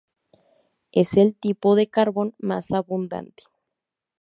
Es el tipo de carbón más abundante.